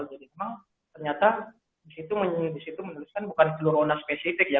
jadi memang ternyata disitu menuliskan bukan flu rona spesifik ya